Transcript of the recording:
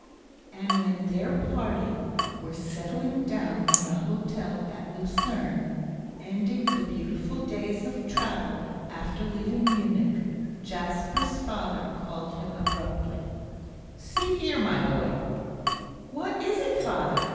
And when their party were settling down in the hotel at Lucerne, ending the beautiful days of travel after leaving Munich, Jasper's father called him abruptly. "See here, my boy." "What is it, father?"